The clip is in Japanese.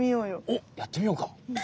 おっやってみようか！